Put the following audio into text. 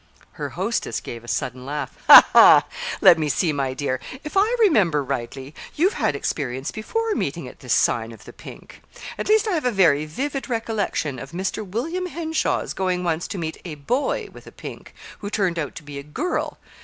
Her hostess gave a sudden laugh. "Let me see, my dear; if I remember rightly, you've had experience before, meeting at this sign of the pink. At least, I have a very vivid recollection of Mr. William Henshaw's going once to meet a boy with a pink, who turned out to be a girl.